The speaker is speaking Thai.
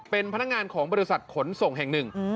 เป็นพนักงานของบริษัทขนส่งแห่งหนึ่ง